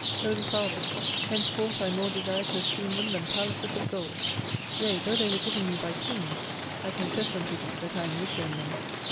Holy Father, henceforth I more desire to esteem them than Palaces of Gold ! Yea, though they were given me by Kings, I confess unto Thee that I am richer in them.